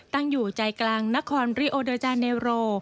ตั้งอยู่ใจกลางนครริโอเดอร์จาเนโร